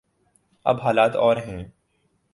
اب حالات اور ہیں۔